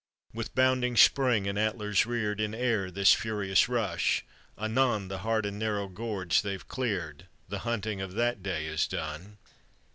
With bounding spring and antlers roared In air this furious rush; anon The hard and narrow gorge they've cleared, The hunting of that day is done!